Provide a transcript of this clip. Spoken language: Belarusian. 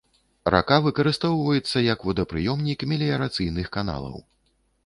Рака выкарыстоўваецца як водапрыёмнік меліярацыйных каналаў.